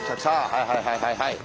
はいはいはいはいはい。